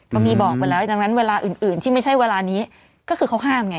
ก็มีบอกไปแล้วดังนั้นเวลาอื่นที่ไม่ใช่เวลานี้ก็คือเขาห้ามไง